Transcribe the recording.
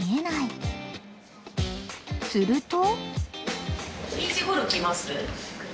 ［すると］